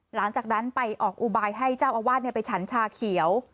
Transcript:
หลังจากนั้นไปออกอุบายให้เจ้าอาวาสไปฉันชาเขียว